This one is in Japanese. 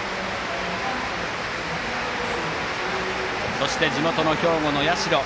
そして、地元・兵庫の社。